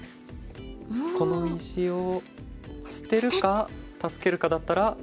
この石を捨てるか助けるかだったら。